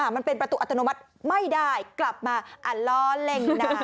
มันเป็นประตูอัตโนมัติไม่ได้กลับมาล้อเล่นน้ำ